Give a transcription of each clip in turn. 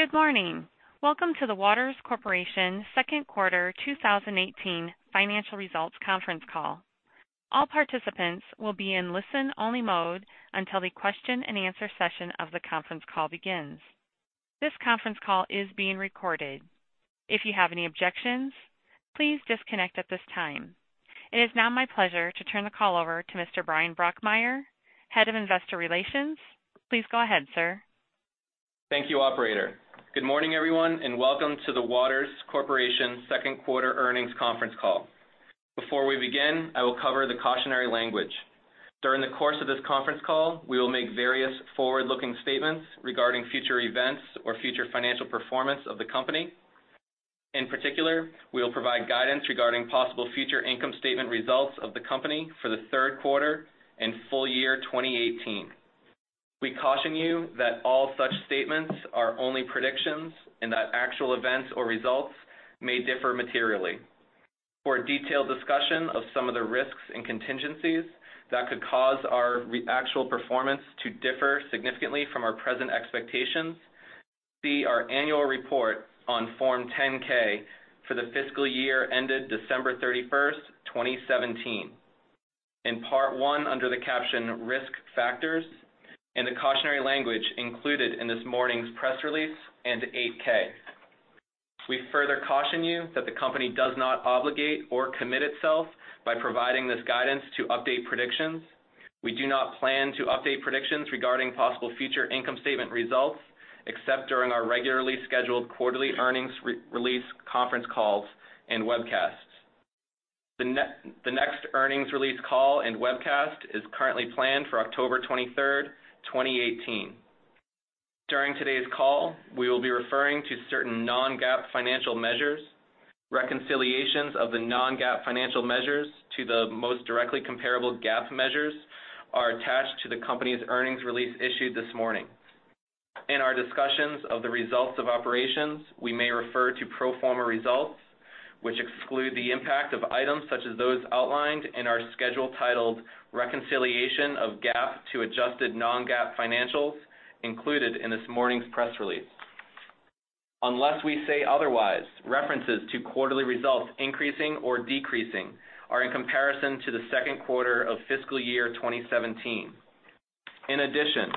Good morning. Welcome to the Waters Corporation Second Quarter 2018 Financial Results Conference Call. All participants will be in listen-only mode until the question-and-answer session of the conference call begins. This conference call is being recorded. If you have any objections, please disconnect at this time. It is now my pleasure to turn the call over to Mr. Bryan Brokmeier, Head of Investor Relations. Please go ahead, sir. Thank you, Operator. Good morning, everyone, and welcome to the Waters Corporation Second Quarter Earnings Conference Call. Before we begin, I will cover the cautionary language. During the course of this conference call, we will make various forward-looking statements regarding future events or future financial performance of the company. In particular, we will provide guidance regarding possible future income statement results of the company for the third quarter and full year 2018. We caution you that all such statements are only predictions and that actual events or results may differ materially. For a detailed discussion of some of the risks and contingencies that could cause our actual performance to differ significantly from our present expectations, see our annual report on Form 10-K for the fiscal year ended December 31st, 2017, in Part 1 under the caption Risk Factors, and the cautionary language included in this morning's press release and 8-K. We further caution you that the company does not obligate or commit itself by providing this guidance to update predictions. We do not plan to update predictions regarding possible future income statement results except during our regularly scheduled quarterly earnings release conference calls and webcasts. The next earnings release call and webcast is currently planned for October 23rd, 2018. During today's call, we will be referring to certain non-GAAP financial measures. Reconciliations of the non-GAAP financial measures to the most directly comparable GAAP measures are attached to the company's earnings release issued this morning. In our discussions of the results of operations, we may refer to pro forma results, which exclude the impact of items such as those outlined in our schedule titled Reconciliation of GAAP to Adjusted Non-GAAP Financials included in this morning's press release. Unless we say otherwise, references to quarterly results increasing or decreasing are in comparison to the second quarter of fiscal year 2017. In addition,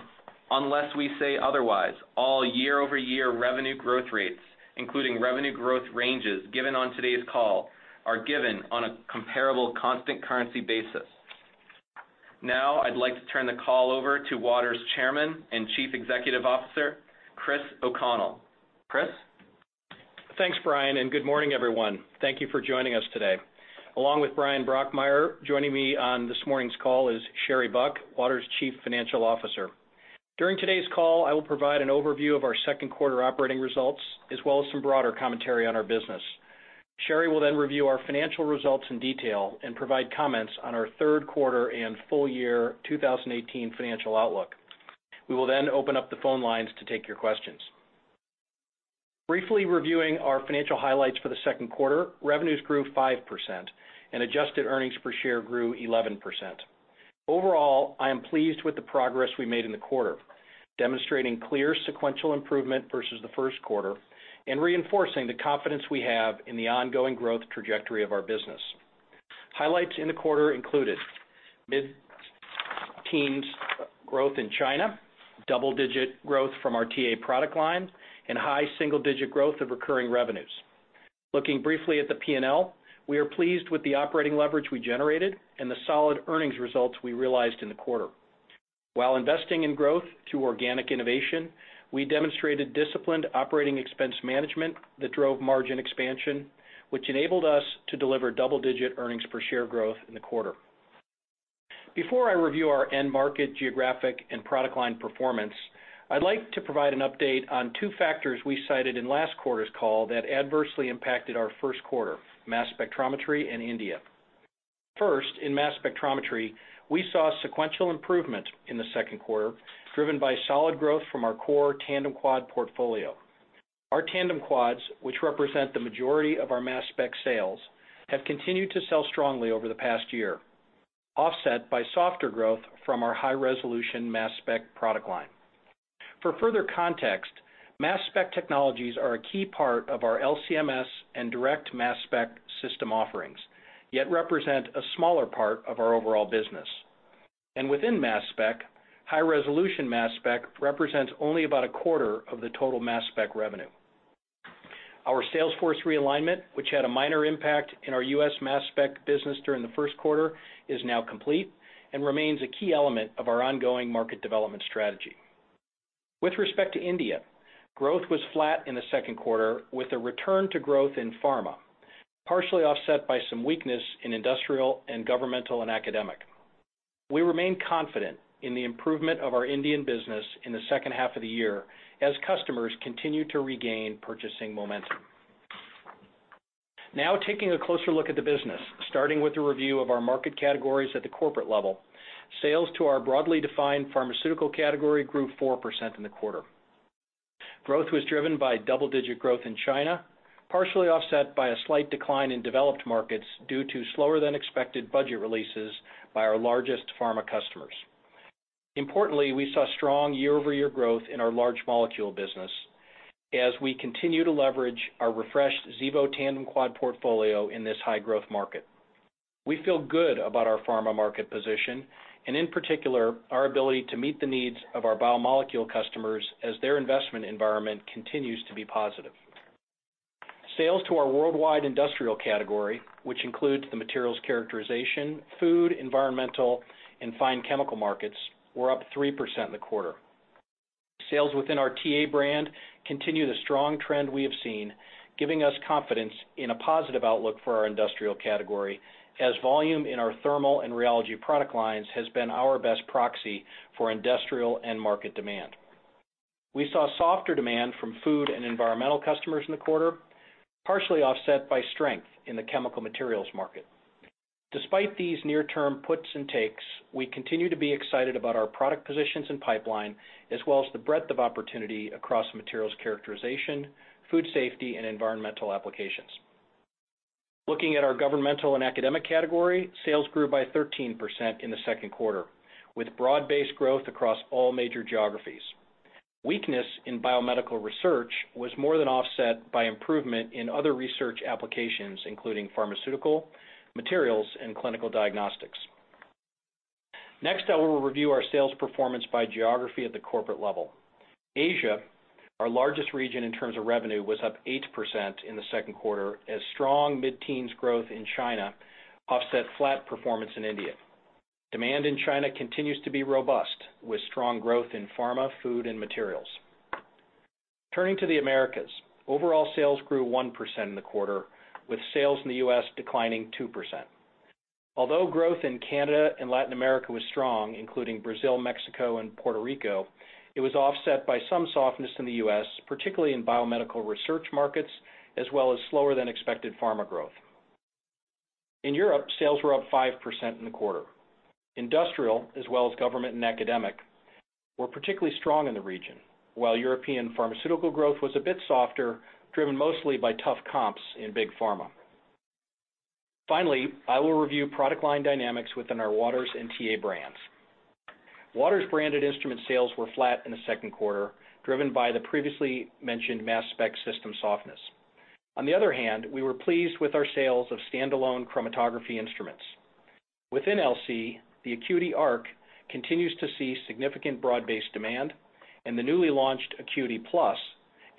unless we say otherwise, all year-over-year revenue growth rates, including revenue growth ranges given on today's call, are given on a comparable constant currency basis. Now, I'd like to turn the call over to Waters Chairman and Chief Executive Officer, Chris O'Connell. Chris? Thanks, Bryan, and good morning, everyone. Thank you for joining us today. Along with Bryan Brokmeier, joining me on this morning's call is Sherry Buck, Waters Chief Financial Officer. During today's call, I will provide an overview of our second quarter operating results as well as some broader commentary on our business. Sherry will then review our financial results in detail and provide comments on our third quarter and full year 2018 financial outlook. We will then open up the phone lines to take your questions. Briefly reviewing our financial highlights for the second quarter, revenues grew 5% and adjusted earnings per share grew 11%. Overall, I am pleased with the progress we made in the quarter, demonstrating clear sequential improvement versus the first quarter and reinforcing the confidence we have in the ongoing growth trajectory of our business. Highlights in the quarter included mid-teens growth in China, double-digit growth from our TA product line, and high single-digit growth of recurring revenues. Looking briefly at the P&L, we are pleased with the operating leverage we generated and the solid earnings results we realized in the quarter. While investing in growth through organic innovation, we demonstrated disciplined operating expense management that drove margin expansion, which enabled us to deliver double-digit earnings per share growth in the quarter. Before I review our end market geographic and product line performance, I'd like to provide an update on two factors we cited in last quarter's call that adversely impacted our first quarter: mass spectrometry and India. First, in mass spectrometry, we saw sequential improvement in the second quarter driven by solid growth from our core tandem quad portfolio. Our tandem quads, which represent the majority of our mass spec sales, have continued to sell strongly over the past year, offset by softer growth from our high-resolution mass spec product line. For further context, mass spec technologies are a key part of our LC-MS and direct mass spec system offerings, yet represent a smaller part of our overall business. Within mass spec, high-resolution mass spec represents only about a quarter of the total mass spec revenue. Our sales force realignment, which had a minor impact in our U.S. mass spec business during the first quarter, is now complete and remains a key element of our ongoing market development strategy. With respect to India, growth was flat in the second quarter with a return to growth in pharma, partially offset by some weakness in industrial and governmental and academic. We remain confident in the improvement of our Indian business in the second half of the year as customers continue to regain purchasing momentum. Now, taking a closer look at the business, starting with a review of our market categories at the corporate level, sales to our broadly defined pharmaceutical category grew 4% in the quarter. Growth was driven by double-digit growth in China, partially offset by a slight decline in developed markets due to slower-than-expected budget releases by our largest pharma customers. Importantly, we saw strong year-over-year growth in our large molecule business as we continue to leverage our refreshed Xevo tandem quad portfolio in this high-growth market. We feel good about our pharma market position and, in particular, our ability to meet the needs of our biomolecule customers as their investment environment continues to be positive. Sales to our worldwide industrial category, which includes the materials characterization, food, environmental, and fine chemical markets, were up 3% in the quarter. Sales within our TA brand continue the strong trend we have seen, giving us confidence in a positive outlook for our industrial category as volume in our thermal and rheology product lines has been our best proxy for industrial and market demand. We saw softer demand from food and environmental customers in the quarter, partially offset by strength in the chemical materials market. Despite these near-term puts and takes, we continue to be excited about our product positions and pipeline as well as the breadth of opportunity across materials characterization, food safety, and environmental applications. Looking at our governmental and academic category, sales grew by 13% in the second quarter with broad-based growth across all major geographies. Weakness in biomedical research was more than offset by improvement in other research applications, including pharmaceutical, materials, and clinical diagnostics. Next, I will review our sales performance by geography at the corporate level. Asia, our largest region in terms of revenue, was up 8% in the second quarter as strong mid-teens growth in China offset flat performance in India. Demand in China continues to be robust with strong growth in pharma, food, and materials. Turning to the Americas, overall sales grew 1% in the quarter with sales in the U.S. declining 2%. Although growth in Canada and Latin America was strong, including Brazil, Mexico, and Puerto Rico, it was offset by some softness in the U.S., particularly in biomedical research markets, as well as slower-than-expected pharma growth. In Europe, sales were up 5% in the quarter. Industrial, as well as government and academic, were particularly strong in the region, while European pharmaceutical growth was a bit softer, driven mostly by tough comps in big pharma. Finally, I will review product line dynamics within our Waters and TA brands. Waters branded instrument sales were flat in the second quarter, driven by the previously mentioned mass spec system softness. On the other hand, we were pleased with our sales of standalone chromatography instruments. Within LC, the ACQUITY Arc continues to see significant broad-based demand, and the newly launched ACQUITY Plus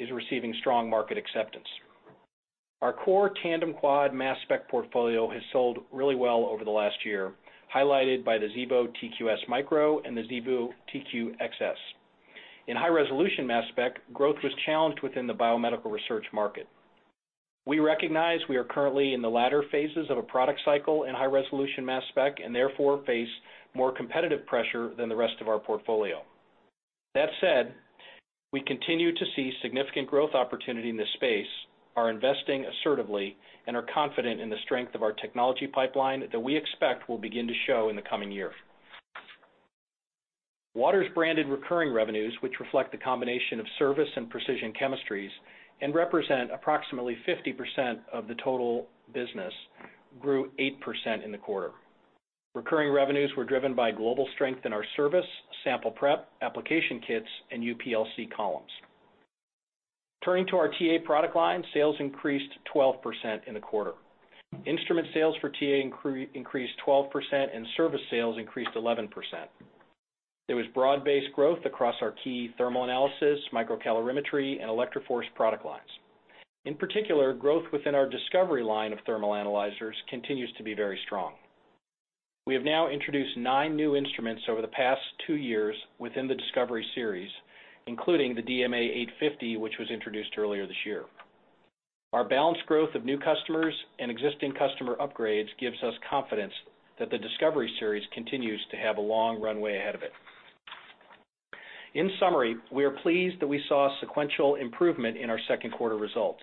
is receiving strong market acceptance. Our core tandem quad mass spec portfolio has sold really well over the last year, highlighted by the Xevo TQ-S micro and the Xevo TQ-XS. In high-resolution mass spec, growth was challenged within the biomedical research market. We recognize we are currently in the latter phases of a product cycle in high-resolution mass spec and therefore face more competitive pressure than the rest of our portfolio. That said, we continue to see significant growth opportunity in this space, are investing assertively, and are confident in the strength of our technology pipeline that we expect will begin to show in the coming year. Waters branded recurring revenues, which reflect the combination of service and precision chemistries and represent approximately 50% of the total business, grew 8% in the quarter. Recurring revenues were driven by global strength in our service, sample prep, application kits, and UPLC columns. Turning to our TA product line, sales increased 12% in the quarter. Instrument sales for TA increased 12% and service sales increased 11%. There was broad-based growth across our key thermal analysis, microcalorimetry, and ElectroForce product lines. In particular, growth within our Discovery line of thermal analyzers continues to be very strong. We have now introduced nine new instruments over the past two years within the Discovery series, including the DMA 850, which was introduced earlier this year. Our balanced growth of new customers and existing customer upgrades gives us confidence that the Discovery series continues to have a long runway ahead of it. In summary, we are pleased that we saw sequential improvement in our second quarter results,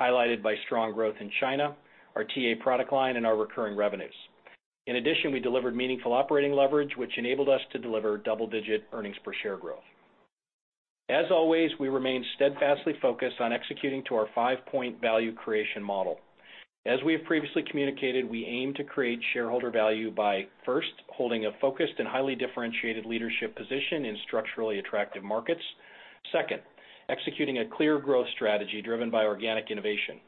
highlighted by strong growth in China, our TA product line, and our recurring revenues. In addition, we delivered meaningful operating leverage, which enabled us to deliver double-digit earnings per share growth. As always, we remain steadfastly focused on executing to our five-point value creation model. As we have previously communicated, we aim to create shareholder value by, first, holding a focused and highly differentiated leadership position in structurally attractive markets. Second, executing a clear growth strategy driven by organic innovation.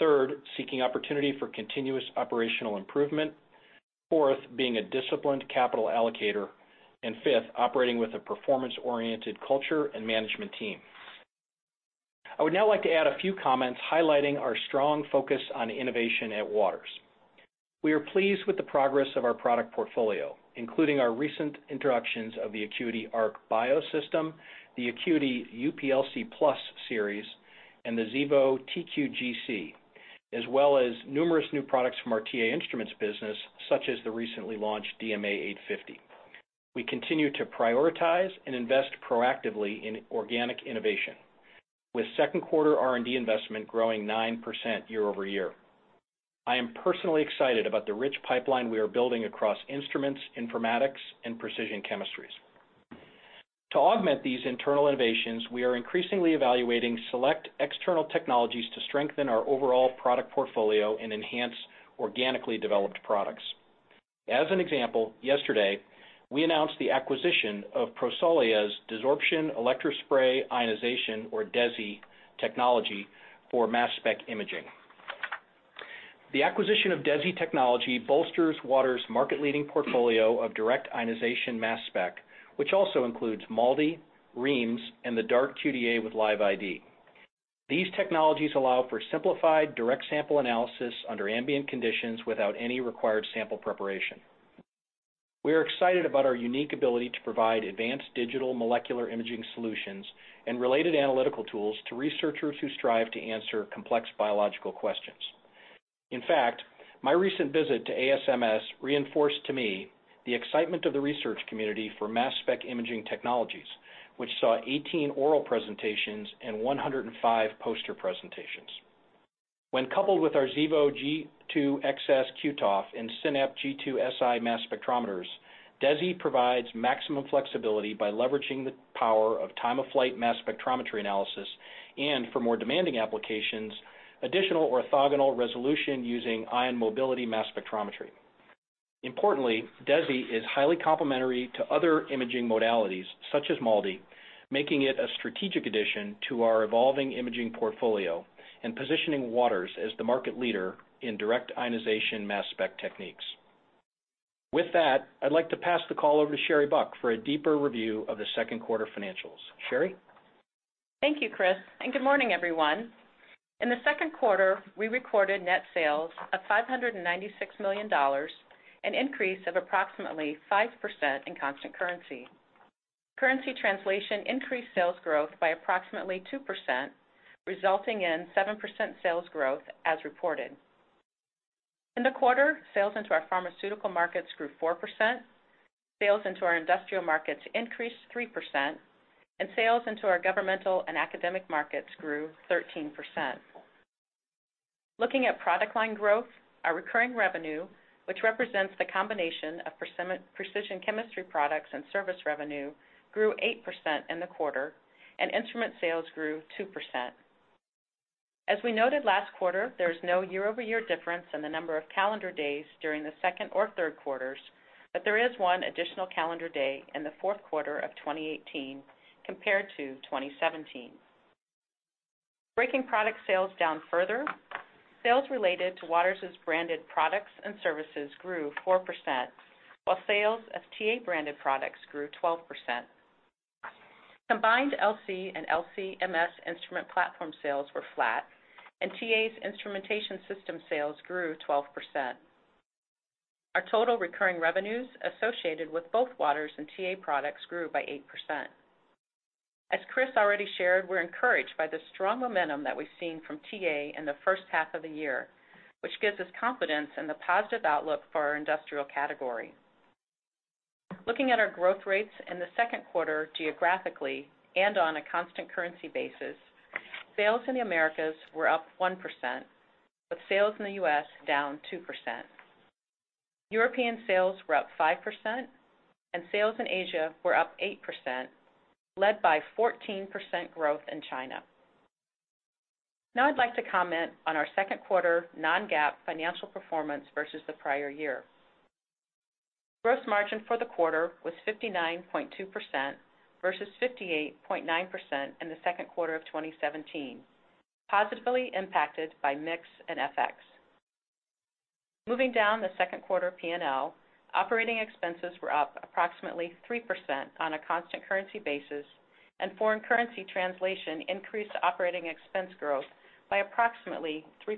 Third, seeking opportunity for continuous operational improvement. Fourth, being a disciplined capital allocator. And fifth, operating with a performance-oriented culture and management team. I would now like to add a few comments highlighting our strong focus on innovation at Waters. We are pleased with the progress of our product portfolio, including our recent introductions of the ACQUITY Arc Bio System, the ACQUITY UPLC Plus Series, and the Xevo TQ-GC, as well as numerous new products from our TA Instruments business, such as the recently launched DMA 850. We continue to prioritize and invest proactively in organic innovation, with second quarter R&D investment growing 9% year-over-year. I am personally excited about the rich pipeline we are building across instruments, informatics, and precision chemistries. To augment these internal innovations, we are increasingly evaluating select external technologies to strengthen our overall product portfolio and enhance organically developed products. As an example, yesterday, we announced the acquisition of Prosolia's Desorption Electrospray Ionization, or DESI, technology for mass spec imaging. The acquisition of DESI technology bolsters Waters' market-leading portfolio of direct ionization mass spec, which also includes MALDI, REIMS, and the DART QDa with LiveID. These technologies allow for simplified direct sample analysis under ambient conditions without any required sample preparation. We are excited about our unique ability to provide advanced digital molecular imaging solutions and related analytical tools to researchers who strive to answer complex biological questions. In fact, my recent visit to ASMS reinforced to me the excitement of the research community for mass spec imaging technologies, which saw 18 oral presentations and 105 poster presentations. When coupled with our Xevo G2-XS QTof and SYNAPT G2-Si mass spectrometers, DESI provides maximum flexibility by leveraging the power of time-of-flight mass spectrometry analysis and, for more demanding applications, additional orthogonal resolution using ion mobility mass spectrometry. Importantly, DESI is highly complementary to other imaging modalities, such as MALDI, making it a strategic addition to our evolving imaging portfolio and positioning Waters as the market leader in direct ionization mass spec techniques. With that, I'd like to pass the call over to Sherry Buck for a deeper review of the second quarter financials. Sherry? Thank you, Chris. And good morning, everyone. In the second quarter, we recorded net sales of $596 million, an increase of approximately 5% in constant currency. Currency translation increased sales growth by approximately 2%, resulting in 7% sales growth as reported. In the quarter, sales into our pharmaceutical markets grew 4%, sales into our industrial markets increased 3%, and sales into our governmental and academic markets grew 13%. Looking at product line growth, our recurring revenue, which represents the combination of precision chemistry products and service revenue, grew 8% in the quarter, and instrument sales grew 2%. As we noted last quarter, there is no year-over-year difference in the number of calendar days during the second or third quarters, but there is one additional calendar day in the fourth quarter of 2018 compared to 2017. Breaking product sales down further, sales related to Waters' branded products and services grew 4%, while sales of TA-branded products grew 12%. Combined LC and LC-MS instrument platform sales were flat, and TA's instrumentation system sales grew 12%. Our total recurring revenues associated with both Waters and TA products grew by 8%. As Chris already shared, we're encouraged by the strong momentum that we've seen from TA in the first half of the year, which gives us confidence in the positive outlook for our industrial category. Looking at our growth rates in the second quarter geographically and on a constant currency basis, sales in the Americas were up 1%, with sales in the U.S. down 2%. European sales were up 5%, and sales in Asia were up 8%, led by 14% growth in China. Now, I'd like to comment on our second quarter non-GAAP financial performance versus the prior year. Gross margin for the quarter was 59.2% versus 58.9% in the second quarter of 2017, positively impacted by mix and FX. Moving down the second quarter P&L, operating expenses were up approximately 3% on a constant currency basis, and foreign currency translation increased operating expense growth by approximately 3%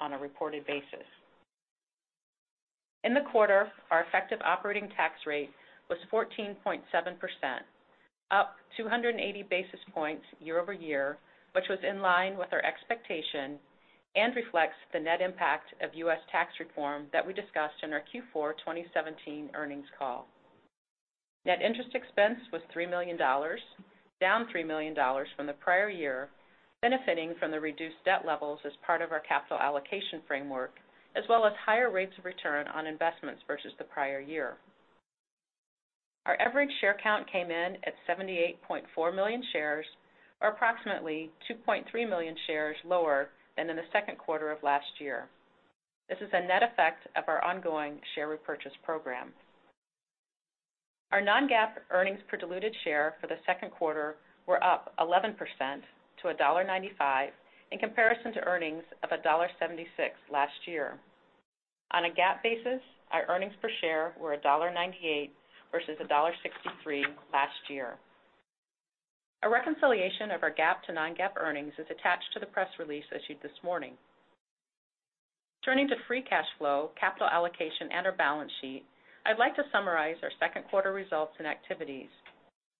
on a reported basis. In the quarter, our effective operating tax rate was 14.7%, up 280 basis points year-over-year, which was in line with our expectation and reflects the net impact of U.S. tax reform that we discussed in our Q4 2017 earnings call. Net interest expense was $3 million, down $3 million from the prior year, benefiting from the reduced debt levels as part of our capital allocation framework, as well as higher rates of return on investments versus the prior year. Our average share count came in at 78.4 million shares, or approximately 2.3 million shares lower than in the second quarter of last year. This is a net effect of our ongoing share repurchase program. Our non-GAAP earnings per diluted share for the second quarter were up 11% to $1.95 in comparison to earnings of $1.76 last year. On a GAAP basis, our earnings per share were $1.98 versus $1.63 last year. A reconciliation of our GAAP to non-GAAP earnings is attached to the press release issued this morning. Turning to free cash flow, capital allocation, and our balance sheet, I'd like to summarize our second quarter results and activities.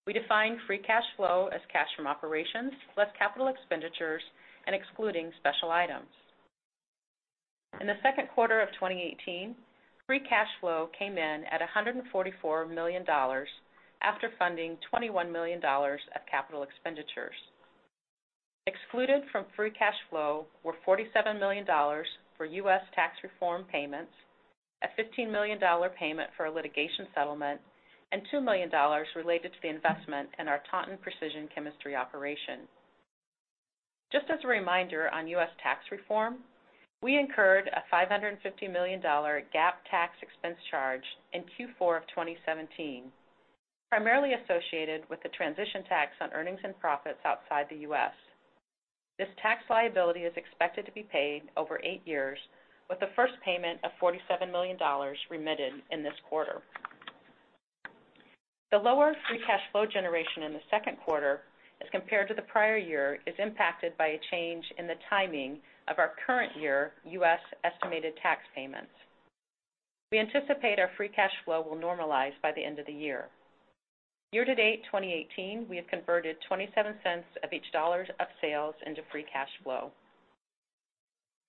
We defined free cash flow as cash from operations less capital expenditures and excluding special items. In the second quarter of 2018, free cash flow came in at $144 million after funding $21 million of capital expenditures. Excluded from free cash flow were $47 million for US tax reform payments, a $15 million payment for a litigation settlement, and $2 million related to the investment in our Taunton Precision Chemistry operation. Just as a reminder on U.S. tax reform, we incurred a $550 million one-time tax expense charge in Q4 of 2017, primarily associated with the transition tax on earnings and profits outside the U.S. This tax liability is expected to be paid over eight years, with the first payment of $47 million remitted in this quarter. The lower free cash flow generation in the second quarter, as compared to the prior year, is impacted by a change in the timing of our current year U.S. estimated tax payments. We anticipate our free cash flow will normalize by the end of the year. Year-to-date 2018, we have converted $0.27 of each dollar of sales into free cash flow.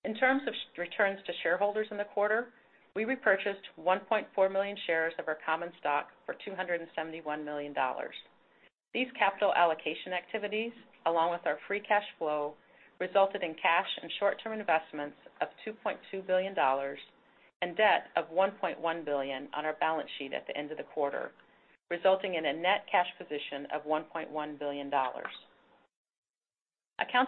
In terms of returns to shareholders in the quarter, we repurchased 1.4 million shares of our common stock for $271 million. These capital allocation activities, along with our free cash flow, resulted in cash and short-term investments of $2.2 billion and debt of $1.1 billion on our balance sheet at the end of the quarter, resulting in a net cash position of $1.1 billion. Accounts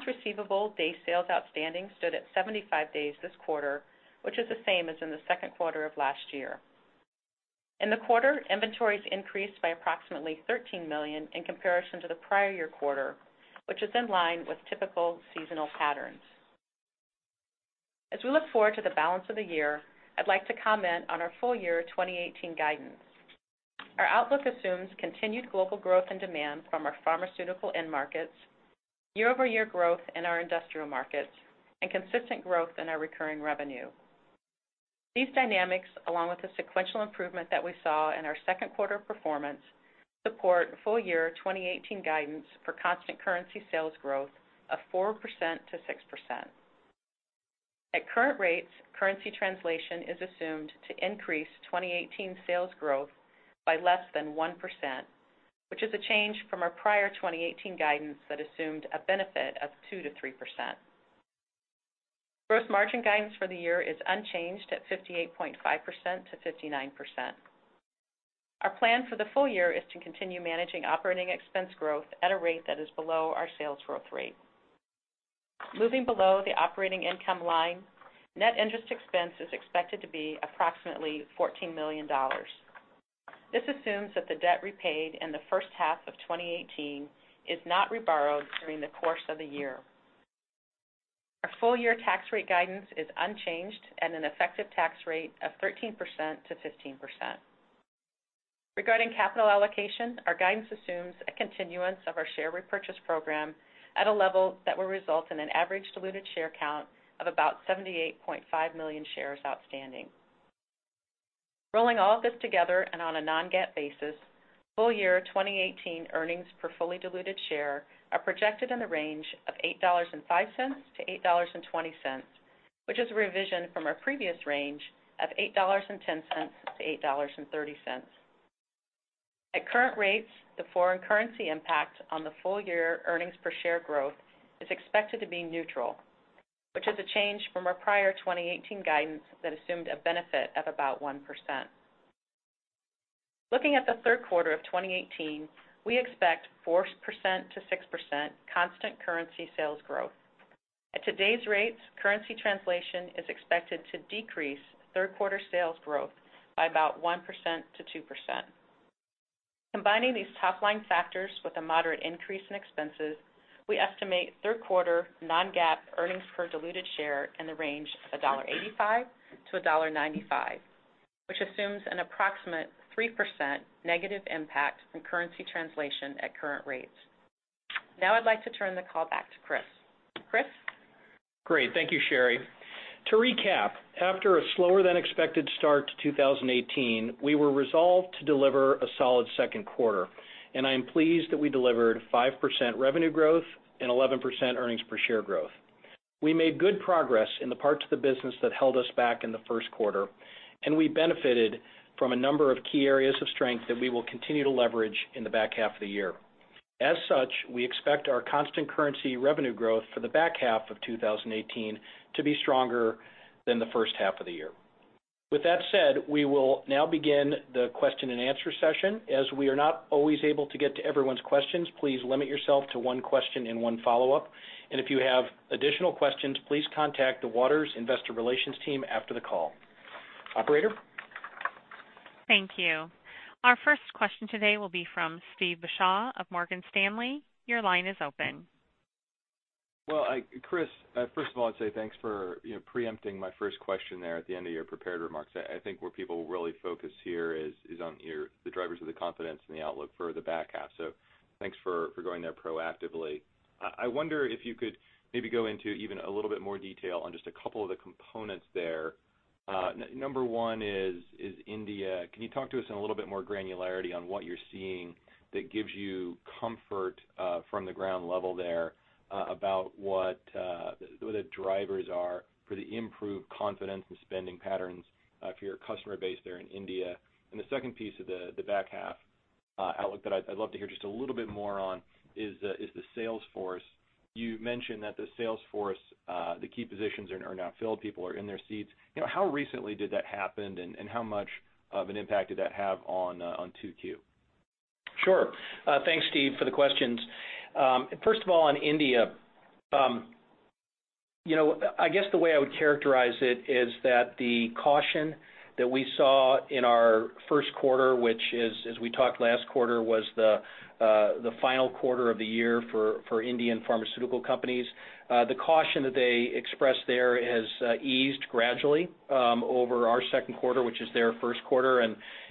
receivable day sales outstanding stood at 75 days this quarter, which is the same as in the second quarter of last year. In the quarter, inventories increased by approximately $13 million in comparison to the prior year quarter, which is in line with typical seasonal patterns. As we look forward to the balance of the year, I'd like to comment on our full year 2018 guidance. Our outlook assumes continued global growth and demand from our pharmaceutical end markets, year-over-year growth in our industrial markets, and consistent growth in our recurring revenue. These dynamics, along with the sequential improvement that we saw in our second quarter performance, support full year 2018 guidance for constant currency sales growth of 4%-6%. At current rates, currency translation is assumed to increase 2018 sales growth by less than 1%, which is a change from our prior 2018 guidance that assumed a benefit of 2%-3%. Gross margin guidance for the year is unchanged at 58.5%-59%. Our plan for the full year is to continue managing operating expense growth at a rate that is below our sales growth rate. Moving below the operating income line, net interest expense is expected to be approximately $14 million. This assumes that the debt repaid in the first half of 2018 is not reborrowed during the course of the year. Our full year tax rate guidance is unchanged at an effective tax rate of 13%-15%. Regarding capital allocation, our guidance assumes a continuance of our share repurchase program at a level that will result in an average diluted share count of about 78.5 million shares outstanding. Rolling all of this together and on a non-GAAP basis, full year 2018 earnings per fully diluted share are projected in the range of $8.05-$8.20, which is a revision from our previous range of $8.10-$8.30. At current rates, the foreign currency impact on the full year earnings per share growth is expected to be neutral, which is a change from our prior 2018 guidance that assumed a benefit of about 1%. Looking at the third quarter of 2018, we expect 4%-6% constant currency sales growth. At today's rates, currency translation is expected to decrease third quarter sales growth by about 1%-2%. Combining these top-line factors with a moderate increase in expenses, we estimate third quarter non-GAAP earnings per diluted share in the range of $1.85-$1.95, which assumes an approximate 3% negative impact from currency translation at current rates. Now, I'd like to turn the call back to Chris. Chris? Great. Thank you, Sherry. To recap, after a slower-than-expected start to 2018, we were resolved to deliver a solid second quarter, and I am pleased that we delivered 5% revenue growth and 11% earnings per share growth. We made good progress in the parts of the business that held us back in the first quarter, and we benefited from a number of key areas of strength that we will continue to leverage in the back half of the year. As such, we expect our constant currency revenue growth for the back half of 2018 to be stronger than the first half of the year. With that said, we will now begin the question and answer session. As we are not always able to get to everyone's questions, please limit yourself to one question and one follow-up. And if you have additional questions, please contact the Waters Investor Relations team after the call. Operator? Thank you. Our first question today will be from Steve Beuchaw of Morgan Stanley. Your line is open. Well, Chris, first of all, I'd say thanks for preempting my first question there at the end of your prepared remarks. I think where people really focus here is on the drivers of the confidence and the outlook for the back half. So thanks for going there proactively. I wonder if you could maybe go into even a little bit more detail on just a couple of the components there. Number one is India. Can you talk to us in a little bit more granularity on what you're seeing that gives you comfort from the ground level there about what the drivers are for the improved confidence and spending patterns for your customer base there in India? And the second piece of the back half outlook that I'd love to hear just a little bit more on is the sales force. You mentioned that the sales force, the key positions are now filled. People are in their seats. How recently did that happen, and how much of an impact did that have on 2Q? Sure. Thanks, Steve, for the questions. First of all, on India, I guess the way I would characterize it is that the caution that we saw in our first quarter, which, as we talked last quarter, was the final quarter of the year for Indian pharmaceutical companies, the caution that they expressed there has eased gradually over our second quarter, which is their first quarter,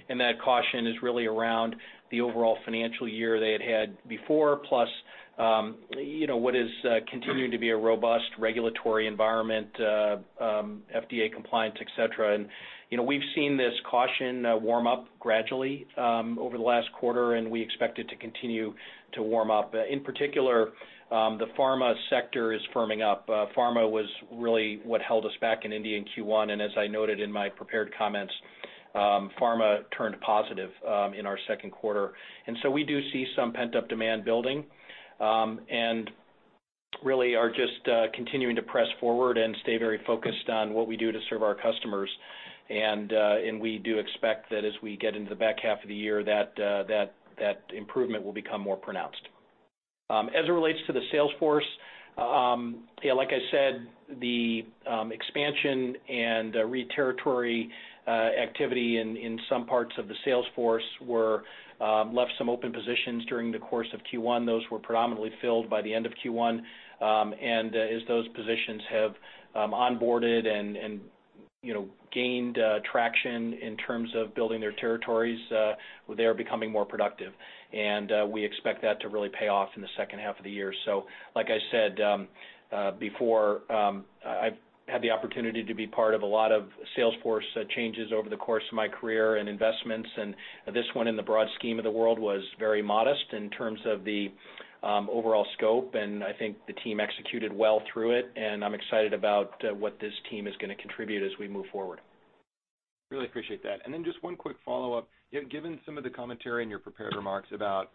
and that caution is really around the overall financial year they had had before, plus what is continuing to be a robust regulatory environment, FDA compliance, etc., and we've seen this caution warm up gradually over the last quarter, and we expect it to continue to warm up. In particular, the pharma sector is firming up. Pharma was really what held us back in India in Q1, and as I noted in my prepared comments, pharma turned positive in our second quarter. And so we do see some pent-up demand building and really are just continuing to press forward and stay very focused on what we do to serve our customers. And we do expect that as we get into the back half of the year, that improvement will become more pronounced. As it relates to the sales force, like I said, the expansion and re-territory activity in some parts of the sales force left some open positions during the course of Q1. Those were predominantly filled by the end of Q1. And as those positions have onboarded and gained traction in terms of building their territories, they are becoming more productive. And we expect that to really pay off in the second half of the year. So like I said before, I've had the opportunity to be part of a lot of sales force changes over the course of my career and investments. And this one, in the broad scheme of the world, was very modest in terms of the overall scope. And I think the team executed well through it. And I'm excited about what this team is going to contribute as we move forward. Really appreciate that. And then just one quick follow-up. Given some of the commentary in your prepared remarks about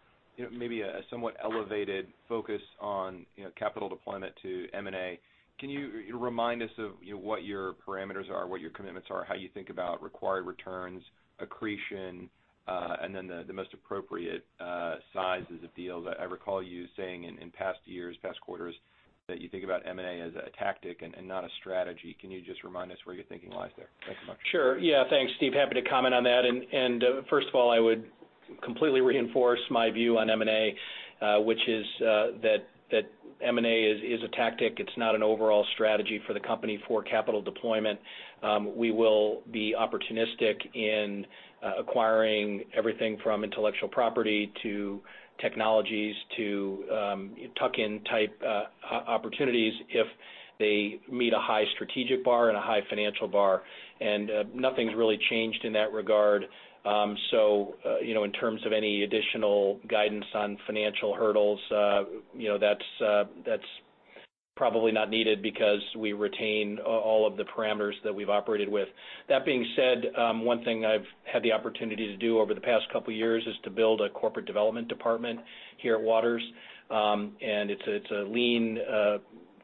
maybe a somewhat elevated focus on capital deployment to M&A, can you remind us of what your parameters are, what your commitments are, how you think about required returns, accretion, and then the most appropriate sizes of deals? I recall you saying in past years, past quarters, that you think about M&A as a tactic and not a strategy. Can you just remind us where your thinking lies there? Thanks so much. Sure. Yeah. Thanks, Steve. Happy to comment on that. And first of all, I would completely reinforce my view on M&A, which is that M&A is a tactic. It's not an overall strategy for the company for capital deployment. We will be opportunistic in acquiring everything from intellectual property to technologies to tuck-in type opportunities if they meet a high strategic bar and a high financial bar. And nothing's really changed in that regard. So in terms of any additional guidance on financial hurdles, that's probably not needed because we retain all of the parameters that we've operated with. That being said, one thing I've had the opportunity to do over the past couple of years is to build a corporate development department here at Waters. And it's a lean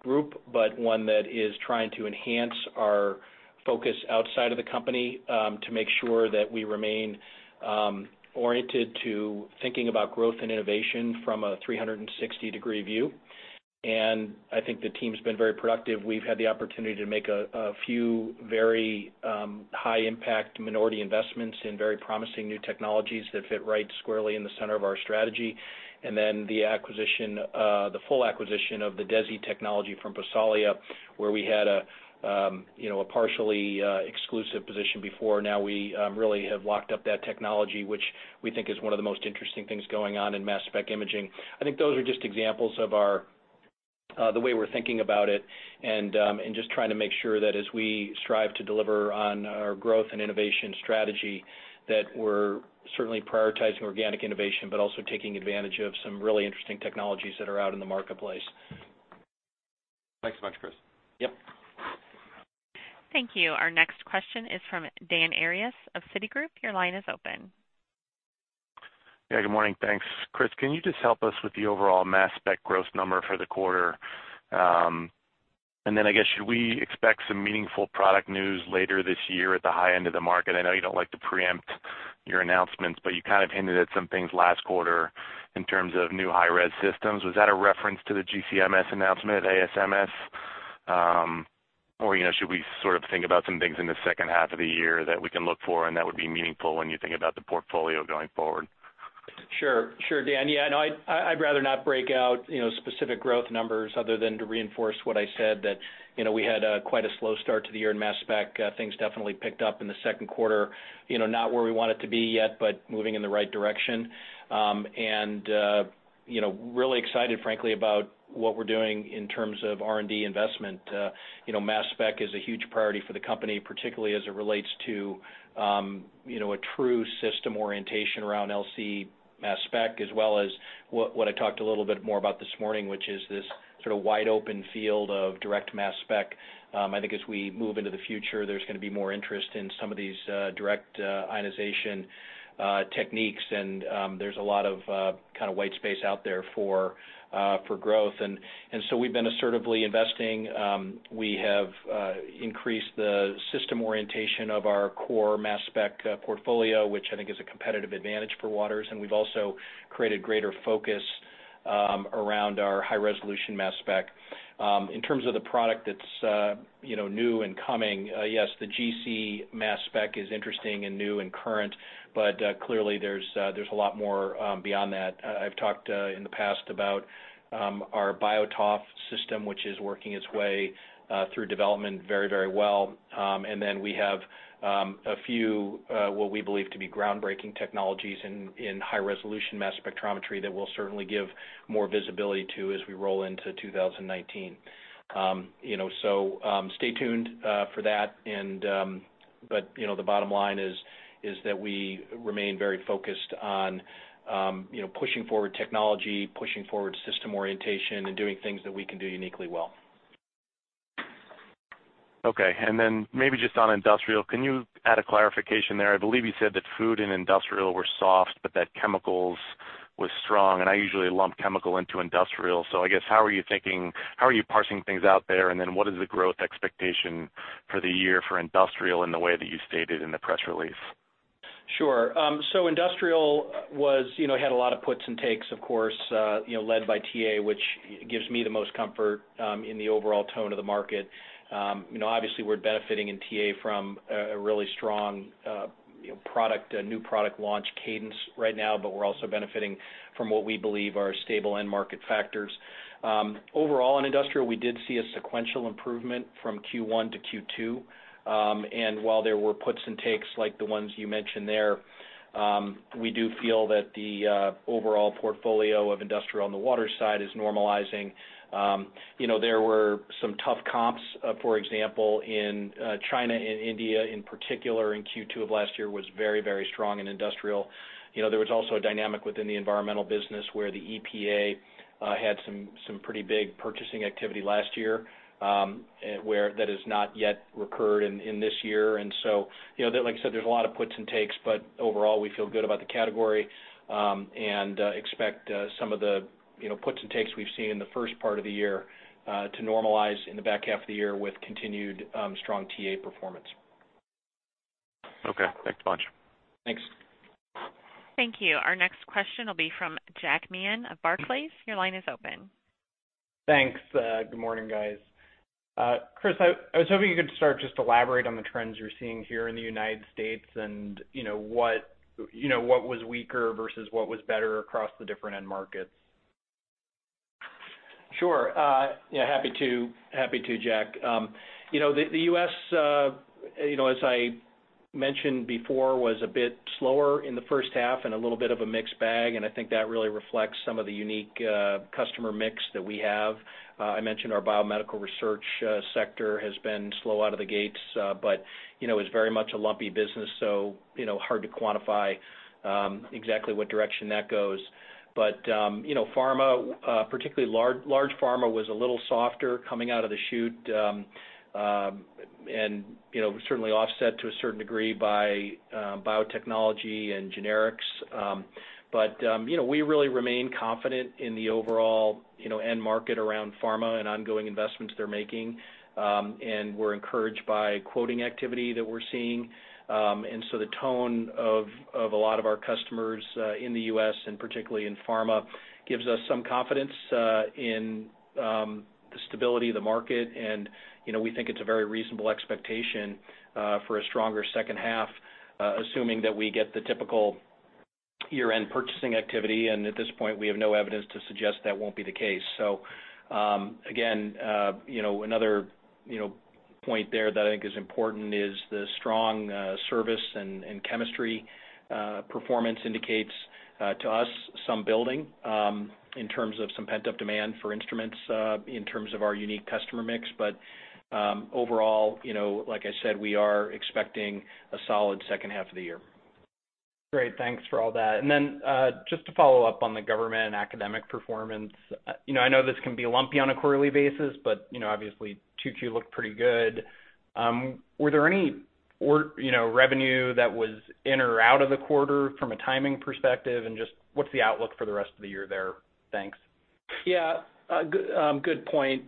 group, but one that is trying to enhance our focus outside of the company to make sure that we remain oriented to thinking about growth and innovation from a 360-degree view. And I think the team's been very productive. We've had the opportunity to make a few very high-impact minority investments in very promising new technologies that fit right squarely in the center of our strategy. And then the full acquisition of the DESI technology from Prosolia, where we had a partially exclusive position before. Now, we really have locked up that technology, which we think is one of the most interesting things going on in mass spec imaging. I think those are just examples of the way we're thinking about it and just trying to make sure that as we strive to deliver on our growth and innovation strategy, that we're certainly prioritizing organic innovation, but also taking advantage of some really interesting technologies that are out in the marketplace. Thanks so much, Chris. Yep. Thank you. Our next question is from Dan Arias of Citigroup. Your line is open. Yeah. Good morning. Thanks. Chris, can you just help us with the overall mass spec growth number for the quarter? And then I guess, should we expect some meaningful product news later this year at the high end of the market? I know you don't like to preempt your announcements, but you kind of hinted at some things last quarter in terms of new high-res systems. Was that a reference to the GC-MS announcement at ASMS? Or should we sort of think about some things in the second half of the year that we can look for, and that would be meaningful when you think about the portfolio going forward? Sure. Sure, Dan. Yeah. No, I'd rather not break out specific growth numbers other than to reinforce what I said, that we had quite a slow start to the year in mass spec. Things definitely picked up in the second quarter, not where we want it to be yet, but moving in the right direction. And really excited, frankly, about what we're doing in terms of R&D investment. Mass spec is a huge priority for the company, particularly as it relates to a true system orientation around LC mass spec, as well as what I talked a little bit more about this morning, which is this sort of wide-open field of direct mass spec. I think as we move into the future, there's going to be more interest in some of these direct ionization techniques, and there's a lot of kind of white space out there for growth. And so we've been assertively investing. We have increased the system orientation of our core mass spec portfolio, which I think is a competitive advantage for Waters. And we've also created greater focus around our high-resolution mass spec. In terms of the product that's new and coming, yes, the GC mass spec is interesting and new and current, but clearly, there's a lot more beyond that. I've talked in the past about our BioTOF system, which is working its way through development very, very well. And then we have a few what we believe to be groundbreaking technologies in high-resolution mass spectrometry that we'll certainly give more visibility to as we roll into 2019. So stay tuned for that. But the bottom line is that we remain very focused on pushing forward technology, pushing forward system orientation, and doing things that we can do uniquely well. Okay. And then maybe just on industrial, can you add a clarification there? I believe you said that food and industrial were soft, but that chemicals was strong. And I usually lump chemical into industrial. So I guess, how are you thinking? How are you parsing things out there? And then what is the growth expectation for the year for industrial in the way that you stated in the press release? Sure. So industrial had a lot of puts and takes, of course, led by TA, which gives me the most comfort in the overall tone of the market. Obviously, we're benefiting in TA from a really strong new product launch cadence right now, but we're also benefiting from what we believe are stable end market factors. Overall, in industrial, we did see a sequential improvement from Q1 to Q2, and while there were puts and takes like the ones you mentioned there, we do feel that the overall portfolio of industrial on the Waters side is normalizing. There were some tough comps, for example, in China and India in particular. In Q2 of last year was very, very strong in industrial. There was also a dynamic within the environmental business where the EPA had some pretty big purchasing activity last year that has not yet recurred in this year. And so, like I said, there's a lot of puts and takes, but overall, we feel good about the category and expect some of the puts and takes we've seen in the first part of the year to normalize in the back half of the year with continued strong TA performance. Okay. Thanks a bunch. Thanks. Thank you. Our next question will be from Jack Meehan of Barclays. Your line is open. Thanks. Good morning, guys. Chris, I was hoping you could start just elaborating on the trends you're seeing here in the United States and what was weaker versus what was better across the different end markets. Sure. Yeah. Happy to, Jack. The US, as I mentioned before, was a bit slower in the first half and a little bit of a mixed bag. And I think that really reflects some of the unique customer mix that we have. I mentioned our biomedical research sector has been slow out of the gates, but it was very much a lumpy business, so hard to quantify exactly what direction that goes. But pharma, particularly large pharma, was a little softer coming out of the chute and certainly offset to a certain degree by biotechnology and generics. But we really remain confident in the overall end market around pharma and ongoing investments they're making. And we're encouraged by quoting activity that we're seeing. And so the tone of a lot of our customers in the U.S., and particularly in pharma, gives us some confidence in the stability of the market. And we think it's a very reasonable expectation for a stronger second half, assuming that we get the typical year-end purchasing activity. And at this point, we have no evidence to suggest that won't be the case. So again, another point there that I think is important is the strong service and chemistry performance indicates to us some building in terms of some pent-up demand for instruments in terms of our unique customer mix. But overall, like I said, we are expecting a solid second half of the year. Great. Thanks for all that. And then just to follow up on the government and academic performance, I know this can be lumpy on a quarterly basis, but obviously, Q2 looked pretty good. Were there any revenue that was in or out of the quarter from a timing perspective? And just what's the outlook for the rest of the year there? Thanks. Yeah. Good point,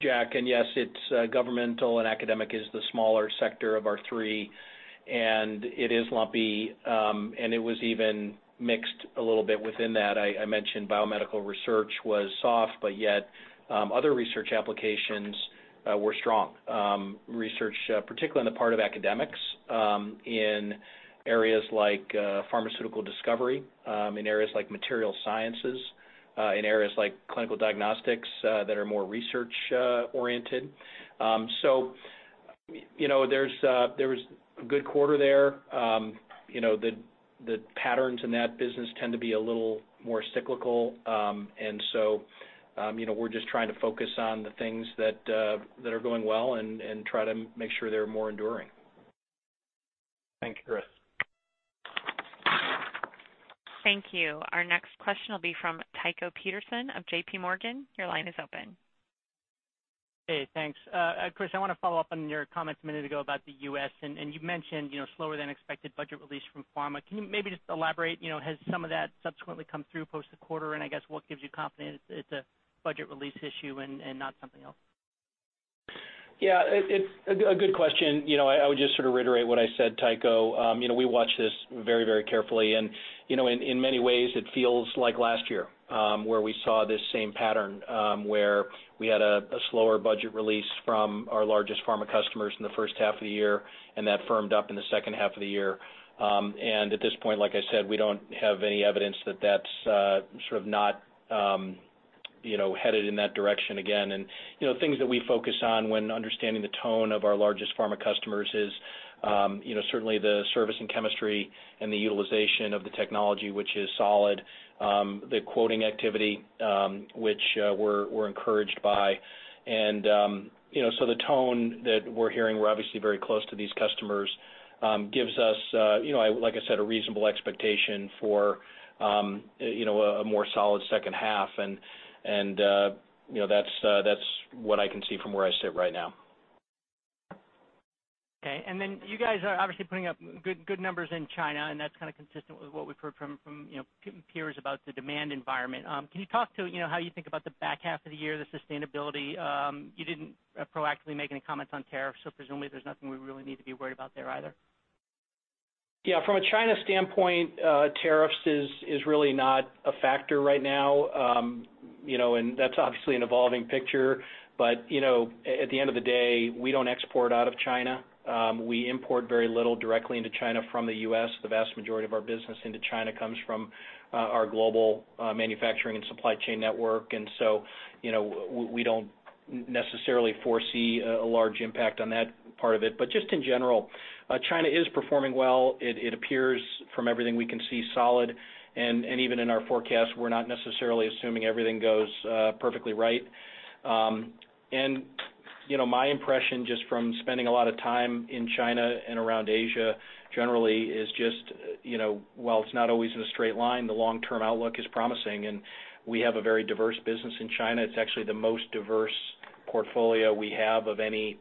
Jack. And yes, it's governmental and academic is the smaller sector of our three. And it is lumpy. And it was even mixed a little bit within that. I mentioned biomedical research was soft, but yet other research applications were strong. Research, particularly in the part of academics in areas like pharmaceutical discovery, in areas like materials sciences, in areas like clinical diagnostics that are more research-oriented. So there was a good quarter there. The patterns in that business tend to be a little more cyclical. And so we're just trying to focus on the things that are going well and try to make sure they're more enduring. Thank you, Chris. Thank you. Our next question will be from Tycho Peterson of J.P. Morgan. Your line is open. Hey. Thanks. Chris, I want to follow up on your comments a minute ago about the U.S. And you mentioned slower-than-expected budget release from pharma. Can you maybe just elaborate? Has some of that subsequently come through post-quarter? I guess, what gives you confidence it's a budget release issue and not something else? Yeah. It's a good question. I would just sort of reiterate what I said, Tycho. We watch this very, very carefully. In many ways, it feels like last year where we saw this same pattern where we had a slower budget release from our largest pharma customers in the first half of the year, and that firmed up in the second half of the year. At this point, like I said, we don't have any evidence that that's sort of not headed in that direction again. Things that we focus on when understanding the tone of our largest pharma customers is certainly the service and chemistry and the utilization of the technology, which is solid, the quoting activity, which we're encouraged by. And so the tone that we're hearing, we're obviously very close to these customers, gives us, like I said, a reasonable expectation for a more solid second half. And that's what I can see from where I sit right now. Okay. And then you guys are obviously putting up good numbers in China, and that's kind of consistent with what we've heard from peers about the demand environment. Can you talk to how you think about the back half of the year, the sustainability? You didn't proactively make any comments on tariffs, so presumably there's nothing we really need to be worried about there either. Yeah. From a China standpoint, tariffs is really not a factor right now. And that's obviously an evolving picture. But at the end of the day, we don't export out of China. We import very little directly into China from the U.S. The vast majority of our business into China comes from our global manufacturing and supply chain network, and so we don't necessarily foresee a large impact on that part of it, but just in general, China is performing well. It appears, from everything we can see, solid, and even in our forecast, we're not necessarily assuming everything goes perfectly right, and my impression, just from spending a lot of time in China and around Asia generally, is just, while it's not always in a straight line, the long-term outlook is promising, and we have a very diverse business in China. It's actually the most diverse portfolio we have of any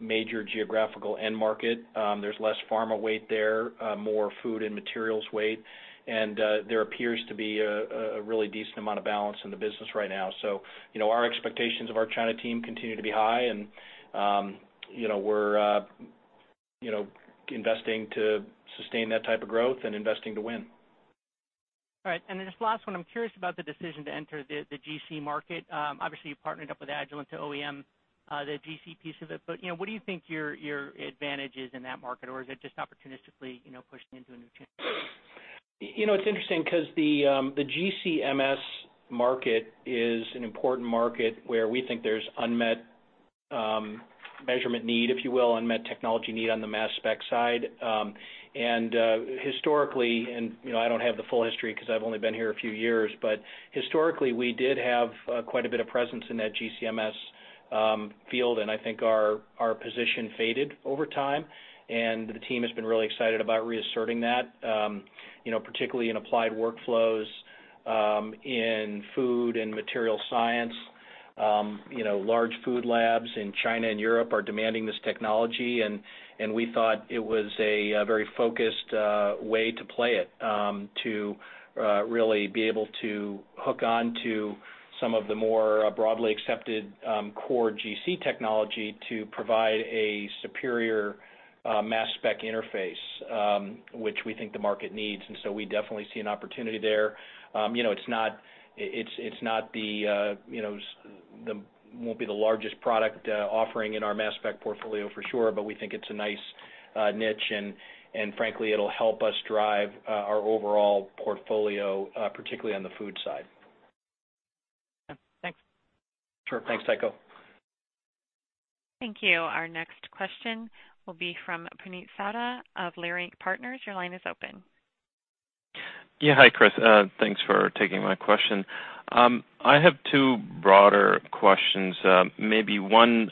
major geographical end market. There's less pharma weight there, more food and materials weight, and there appears to be a really decent amount of balance in the business right now. So our expectations of our China team continue to be high, and we're investing to sustain that type of growth and investing to win. All right. And then this last one, I'm curious about the decision to enter the GC market. Obviously, you partnered up with Agilent to OEM the GC piece of it. But what do you think your advantage is in that market? Or is it just opportunistically pushing into a new channel? It's interesting because the GC-MS market is an important market where we think there's unmet measurement need, if you will, unmet technology need on the mass spec side. And historically, and I don't have the full history because I've only been here a few years, but historically, we did have quite a bit of presence in that GC-MS field. And I think our position faded over time. The team has been really excited about reasserting that, particularly in applied workflows, in food and materials science. Large food labs in China and Europe are demanding this technology. We thought it was a very focused way to play it, to really be able to hook on to some of the more broadly accepted core GC technology to provide a superior mass spec interface, which we think the market needs. So we definitely see an opportunity there. It's not, it won't be the largest product offering in our mass spec portfolio for sure, but we think it's a nice niche. Frankly, it'll help us drive our overall portfolio, particularly on the food side. Thanks. Sure. Thanks, Tycho. Thank you. Our next question will be from Puneet Souda of Leerink Partners. Your line is open. Yeah. Hi, Chris. Thanks for taking my question. I have two broader questions. Maybe one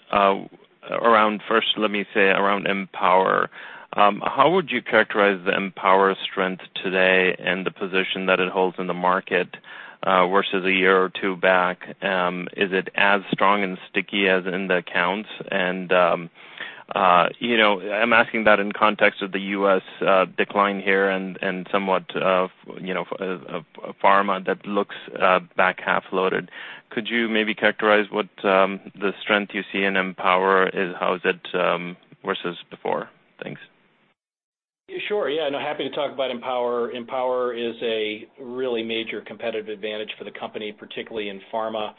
around first, let me say around Empower. How would you characterize the Empower strength today and the position that it holds in the market versus a year or two back? Is it as strong and sticky as in the accounts? And I'm asking that in context of the U.S. decline here and somewhat of a pharma that looks back half loaded. Could you maybe characterize what the strength you see in Empower is? How is it versus before? Thanks. Sure. Yeah. And I'm happy to talk about Empower. Empower is a really major competitive advantage for the company, particularly in pharma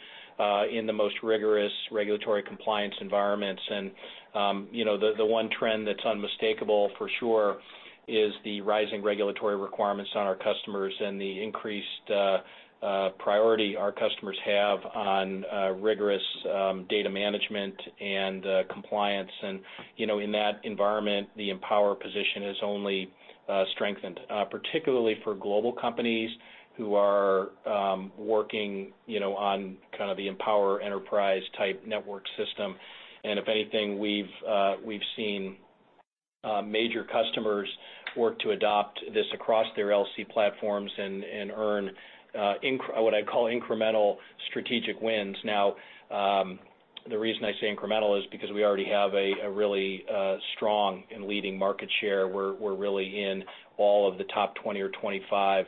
in the most rigorous regulatory compliance environments. And the one trend that's unmistakable for sure is the rising regulatory requirements on our customers and the increased priority our customers have on rigorous data management and compliance. And in that environment, the Empower position has only strengthened, particularly for global companies who are working on kind of the Empower enterprise-type network system. And if anything, we've seen major customers work to adopt this across their LC platforms and earn what I call incremental strategic wins. Now, the reason I say incremental is because we already have a really strong and leading market share. We're really in all of the top 20 or 25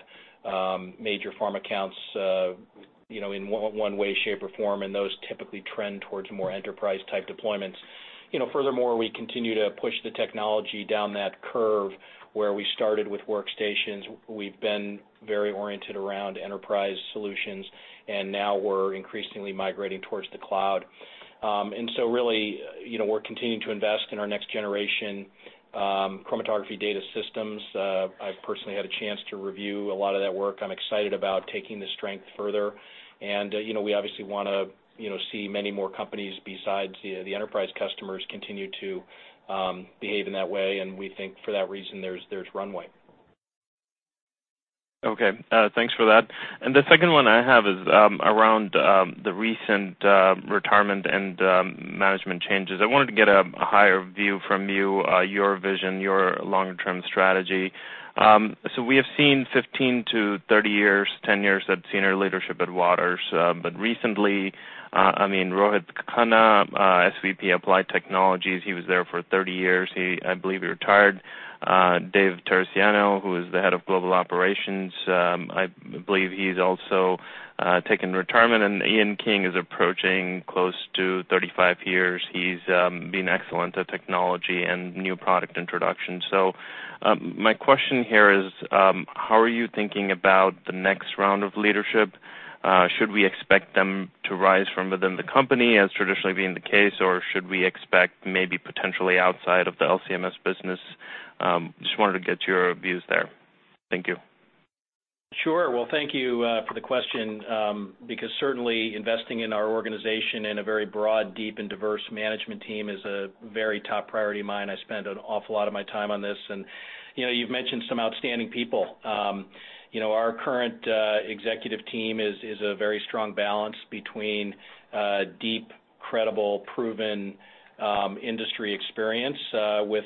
major pharma accounts in one way, shape, or form. And those typically trend towards more enterprise-type deployments. Furthermore, we continue to push the technology down that curve where we started with workstations. We've been very oriented around enterprise solutions, and now we're increasingly migrating towards the cloud. And so really, we're continuing to invest in our next generation chromatography data systems. I've personally had a chance to review a lot of that work. I'm excited about taking the strength further. And we obviously want to see many more companies besides the enterprise customers continue to behave in that way. And we think for that reason, there's runway. Okay. Thanks for that. And the second one I have is around the recent retirement and management changes. I wanted to get a higher view from you, your vision, your longer-term strategy. So we have seen 15 to 30 years, 10 years at Senior Leadership at Waters. But recently, I mean, Rohit Khanna, SVP Applied Technologies. He was there for 30 years. I believe he retired. Dave Terricciano, who is the head of global operations, I believe he's also taken retirement. And Ian King is approaching close to 35 years. He's been excellent at technology and new product introduction. So my question here is, how are you thinking about the next round of leadership? Should we expect them to rise from within the company, as traditionally being the case? Or should we expect maybe potentially outside of the LC-MS business? Just wanted to get your views there. Thank you. Sure. Well, thank you for the question because certainly investing in our organization and a very broad, deep, and diverse management team is a very top priority of mine. I spend an awful lot of my time on this. And you've mentioned some outstanding people. Our current executive team is a very strong balance between deep, credible, proven industry experience with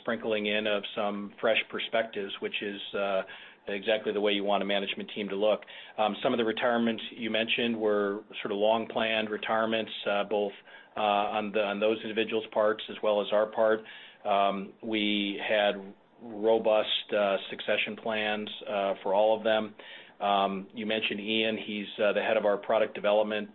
sprinkling in of some fresh perspectives, which is exactly the way you want a management team to look. Some of the retirements you mentioned were sort of long-planned retirements, both on those individuals' parts as well as our part. We had robust succession plans for all of them. You mentioned Ian. He's the head of our product development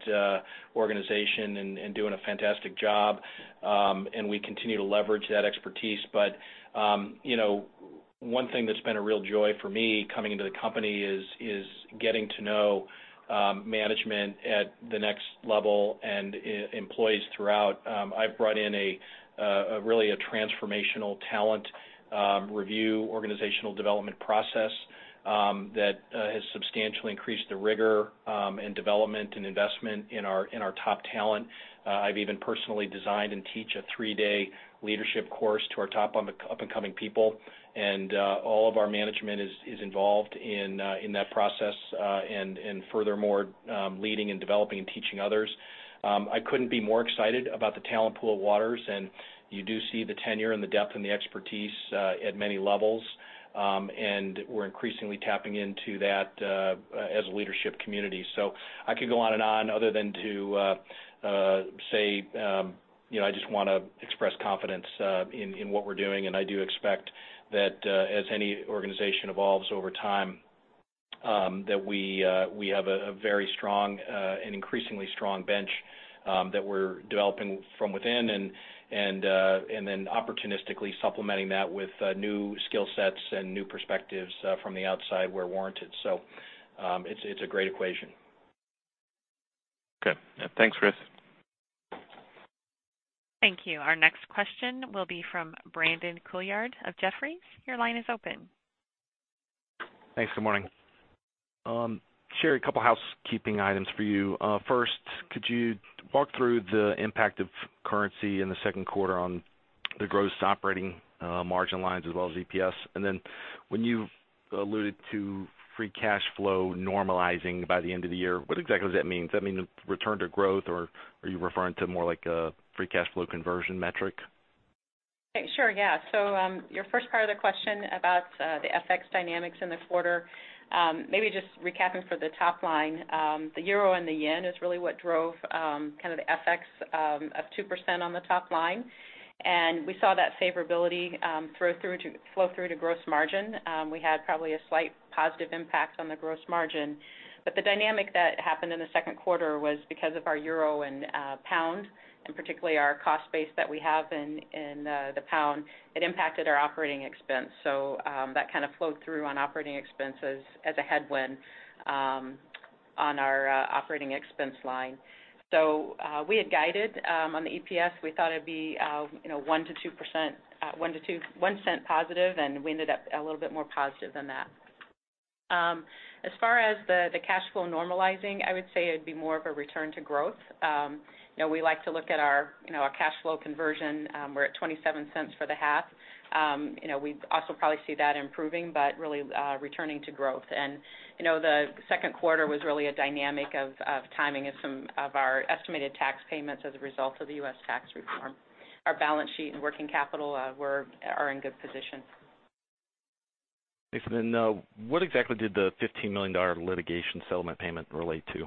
organization and doing a fantastic job. And we continue to leverage that expertise. But one thing that's been a real joy for me coming into the company is getting to know management at the next level and employees throughout. I've brought in really a transformational talent review organizational development process that has substantially increased the rigor and development and investment in our top talent. I've even personally designed and teach a three-day leadership course to our top up-and-coming people. And all of our management is involved in that process and furthermore leading and developing and teaching others. I couldn't be more excited about the talent pool at Waters. And you do see the tenure and the depth and the expertise at many levels. And we're increasingly tapping into that as a leadership community. So I could go on and on other than to say I just want to express confidence in what we're doing. And I do expect that as any organization evolves over time, that we have a very strong and increasingly strong bench that we're developing from within and then opportunistically supplementing that with new skill sets and new perspectives from the outside where warranted. So it's a great equation. Okay. Thanks, Chris. Thank you. Our next question will be from Brandon Couillard of Jefferies. Your line is open. Thanks. Good morning. Sherry, a couple of housekeeping items for you. First, could you walk through the impact of currency in the second quarter on the gross operating margin lines as well as EPS? And then when you alluded to free cash flow normalizing by the end of the year, what exactly does that mean? Does that mean return to growth, or are you referring to more like a free cash flow conversion metric? Sure. Yeah. So your first part of the question about the FX dynamics in the quarter, maybe just recapping for the top line, the euro and the yen is really what drove kind of the FX of 2% on the top line. And we saw that favorability flow through to gross margin. We had probably a slight positive impact on the gross margin. But the dynamic that happened in the second quarter was because of our euro and pound, and particularly our cost base that we have in the pound, it impacted our operating expense. So that kind of flowed through on operating expenses as a headwind on our operating expense line. So we had guided on the EPS. We thought it'd be 1-2%, $0.01-$0.02 positive, and we ended up a little bit more positive than that. As far as the cash flow normalizing, I would say it'd be more of a return to growth. We like to look at our cash flow conversion. We're at $0.27 for the half. We also probably see that improving, but really returning to growth. The second quarter was really a dynamic of timing of some of our estimated tax payments as a result of the U.S. tax reform. Our balance sheet and working capital are in good position. Thanks. What exactly did the $15 million litigation settlement payment relate to?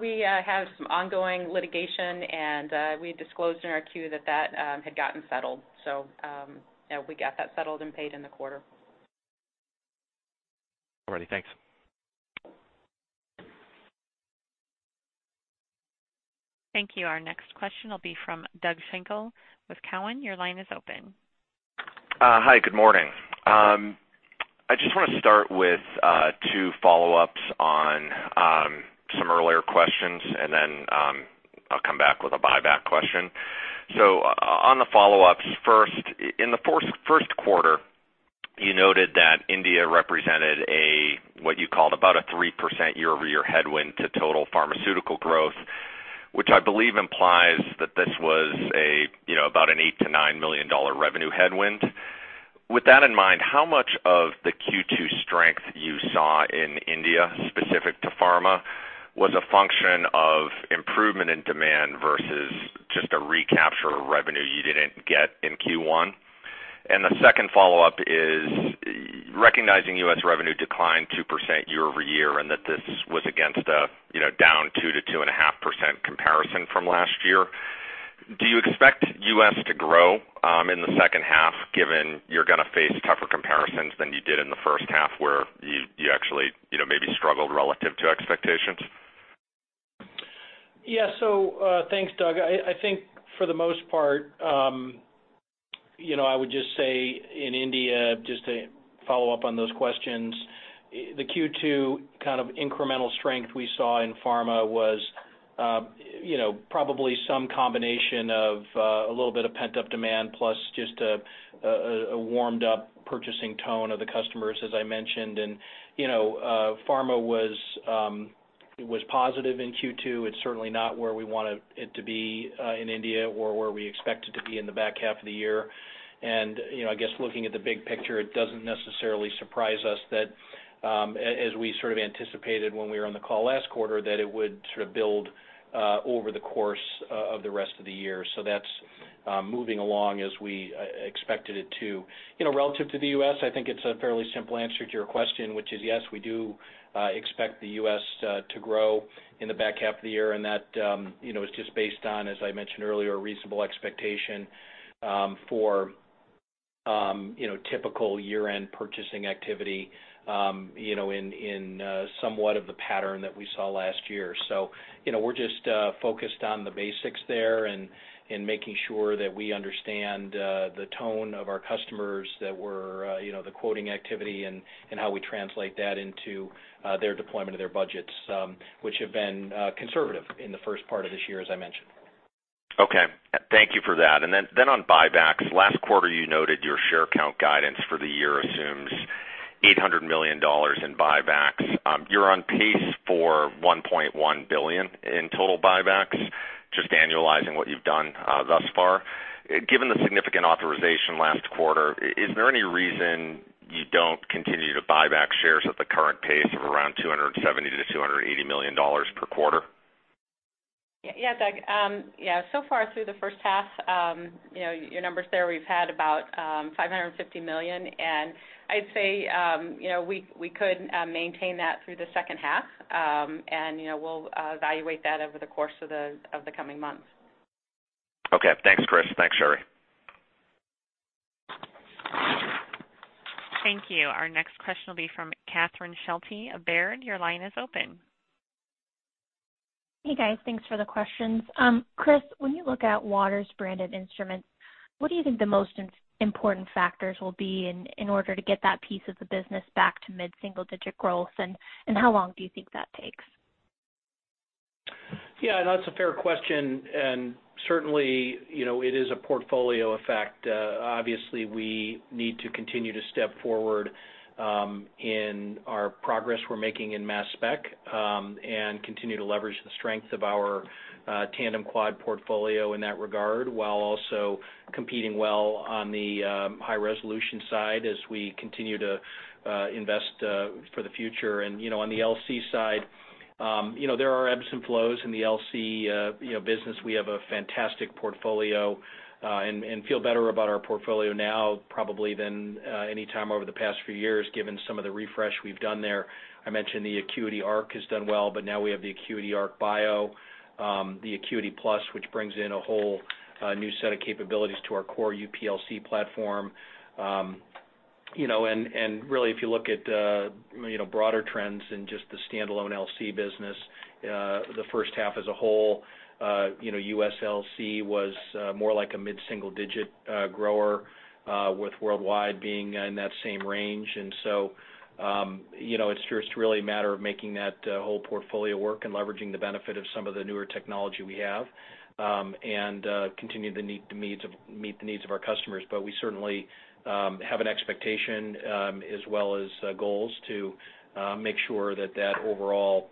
We had some ongoing litigation, and we disclosed in our 10-Q that that had gotten settled. So we got that settled and paid in the quarter. All righty. Thanks. Thank you. Our next question will be from Doug Schenkel with Cowen. Your line is open. Hi. Good morning. I just want to start with two follow-ups on some earlier questions, and then I'll come back with a buyback question. So on the follow-ups, first, in the first quarter, you noted that India represented what you called about a 3% year-over-year headwind to total pharmaceutical growth, which I believe implies that this was about an $8 million-$9 million revenue headwind. With that in mind, how much of the Q2 strength you saw in India specific to pharma was a function of improvement in demand versus just a recapture of revenue you didn't get in Q1? And the second follow-up is recognizing U.S. revenue declined 2% year-over-year and that this was against a down 2%-2.5% comparison from last year. Do you expect U.S. to grow in the second half given you're going to face tougher comparisons than you did in the first half where you actually maybe struggled relative to expectations? Yeah. So thanks, Doug. I think for the most part, I would just say in India, just to follow up on those questions, the Q2 kind of incremental strength we saw in pharma was probably some combination of a little bit of pent-up demand plus just a warmed-up purchasing tone of the customers, as I mentioned. And pharma was positive in Q2. It's certainly not where we want it to be in India or where we expect it to be in the back half of the year. And I guess looking at the big picture, it doesn't necessarily surprise us that as we sort of anticipated when we were on the call last quarter, that it would sort of build over the course of the rest of the year. So that's moving along as we expected it to. Relative to the U.S., I think it's a fairly simple answer to your question, which is yes, we do expect the U.S. to grow in the back half of the year. And that was just based on, as I mentioned earlier, a reasonable expectation for typical year-end purchasing activity in somewhat of the pattern that we saw last year. So we're just focused on the basics there and making sure that we understand the tone of our customers, their quoting activity and how we translate that into their deployment of their budgets, which have been conservative in the first part of this year, as I mentioned. Okay. Thank you for that. And then on buybacks, last quarter you noted your share repurchase guidance for the year assumes $800 million in buybacks. You're on pace for $1.1 billion in total buybacks, just annualizing what you've done thus far. Given the significant authorization last quarter, is there any reason you don't continue to buy back shares at the current pace of around $270-$280 million per quarter? Yeah, Doug. Yeah. So far through the first half, your numbers there, we've had about $550 million. And I'd say we could maintain that through the second half, and we'll evaluate that over the course of the coming months. Okay. Thanks, Chris. Thanks, Sherry. Thank you. Our next question will be from Catherine Schulte of Baird. Your line is open. Hey, guys. Thanks for the questions. Chris, when you look at Waters Branded Instruments, what do you think the most important factors will be in order to get that piece of the business back to mid-single-digit growth? And how long do you think that takes? Yeah. And that's a fair question. And certainly, it is a portfolio effect. Obviously, we need to continue to step forward in our progress we're making in mass spec and continue to leverage the strength of our tandem quad portfolio in that regard while also competing well on the high-resolution side as we continue to invest for the future. And on the LC side, there are ebbs and flows in the LC business. We have a fantastic portfolio and feel better about our portfolio now probably than any time over the past few years given some of the refresh we've done there. I mentioned the ACQUITY Arc has done well, but now we have the ACQUITY Arc Bio, the ACQUITY Plus, which brings in a whole new set of capabilities to our core UPLC platform. And really, if you look at broader trends in just the standalone LC business, the first half as a whole, U.S. LC was more like a mid-single-digit grower with worldwide being in that same range. And so it's just really a matter of making that whole portfolio work and leveraging the benefit of some of the newer technology we have and continue to meet the needs of our customers. But we certainly have an expectation as well as goals to make sure that that overall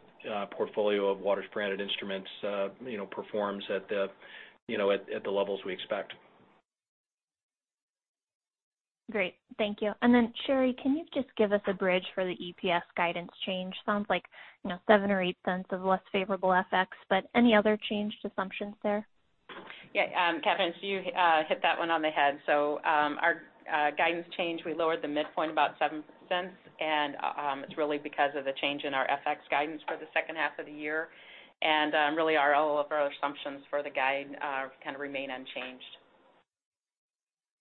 portfolio of Waters Branded Instruments performs at the levels we expect. Great. Thank you. And then, Sherry, can you just give us a bridge for the EPS guidance change? Sounds like $0.07 or $0.08 of less favorable FX, but any other change to assumptions there? Yeah. Catherine, so you hit that one on the head. So our guidance change, we lowered the midpoint about $0.07. And it's really because of the change in our FX guidance for the second half of the year. And really, all of our assumptions for the guide kind of remain unchanged.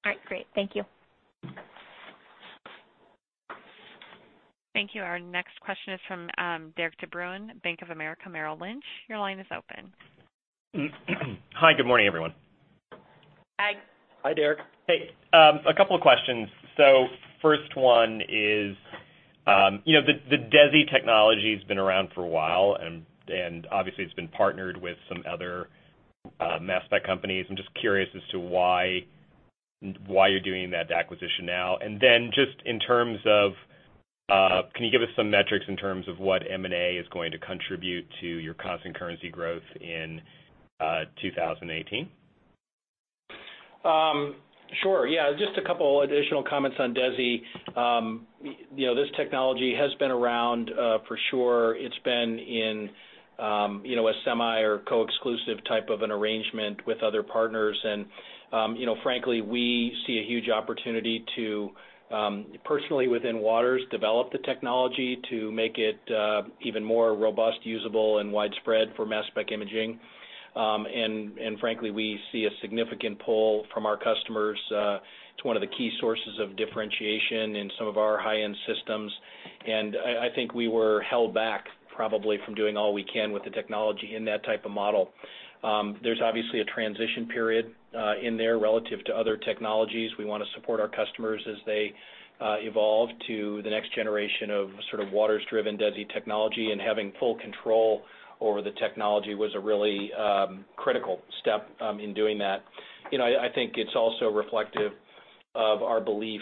All right. Great. Thank you. Thank you. Our next question Derik De Bruin, bank of America Merrill Lynch. Your line is open. Hi. Good morning, everyone. Hi. Hi, Derek. Hey. A couple of questions. So first one is the DESI technology has been around for a while, and obviously, it's been partnered with some other mass spec companies. I'm just curious as to why you're doing that acquisition now. And then just in terms of can you give us some metrics in terms of what M&A is going to contribute to your constant currency growth in 2018? Sure. Yeah. Just a couple of additional comments on DESI. This technology has been around for sure. It's been in a semi or co-exclusive type of an arrangement with other partners. And frankly, we see a huge opportunity to personally within Waters develop the technology to make it even more robust, usable, and widespread for mass spec imaging. And frankly, we see a significant pull from our customers. It's one of the key sources of differentiation in some of our high-end systems. And I think we were held back probably from doing all we can with the technology in that type of model. There's obviously a transition period in there relative to other technologies. We want to support our customers as they evolve to the next generation of sort of Waters-driven DESI technology. And having full control over the technology was a really critical step in doing that. I think it's also reflective of our belief